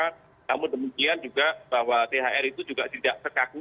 namun demikian juga bahwa thr itu juga tidak sekaku